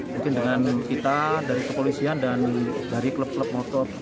mungkin dengan kita dari kepolisian dan dari klub klub motor